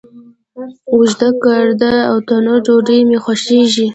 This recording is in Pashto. اوږده، ګرده، او تنوری ډوډۍ می خوښیږی